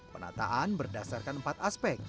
penataan berdasarkan empat aspek